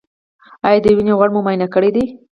ایا د وینې غوړ مو معاینه کړي دي؟